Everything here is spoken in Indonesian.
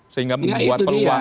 sehingga membuat peluang